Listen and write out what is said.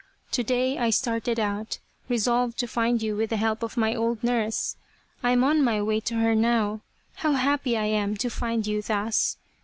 To day I started out, resolved to find you with the help of my old nurse. I am on my way to her now. How happy I am to find you thus.